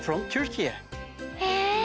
へえ！